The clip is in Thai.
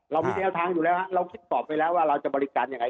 เรามีแนวทางอยู่แล้วเราคิดต่อไปแล้วว่าเราจะบริการยังไง